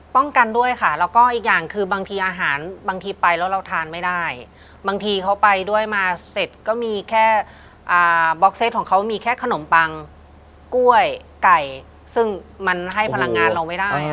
กันด้วยค่ะแล้วก็อีกอย่างคือบางทีอาหารบางทีไปแล้วเราทานไม่ได้บางทีเขาไปด้วยมาเสร็จก็มีแค่บล็อกเซตของเขามีแค่ขนมปังกล้วยไก่ซึ่งมันให้พลังงานเราไม่ได้